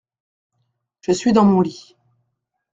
Je suis dans mon lit…